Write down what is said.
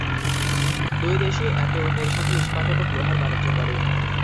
দুই দেশই একে অন্যের সাথে ইস্পাত এবং লোহার বাণিজ্য করে।